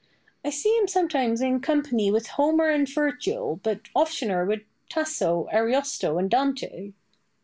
I see him sometimes in company with Homer and Virgil, but oftener with Tasso, Ariosto, and Dante.